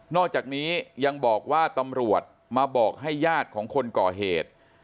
อกจากนี้ยังบอกว่าตำรวจมาบอกให้ญาติของคนก่อเหตุ